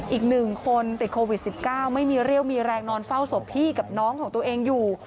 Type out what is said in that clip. อีก๑คนติดโควิด๑๙ไม่มีเรี่ยวมีแรงนอนเฝ้าศพพี่กับน้องของตัวเองอยู่